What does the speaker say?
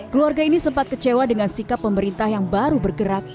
keluarga ini sempat kecewa dengan sikap pemerintah yang baru bergerak